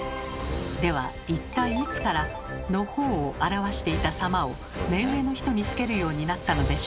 では一体いつから「のほう」を表していた「様」を目上の人につけるようになったのでしょうか？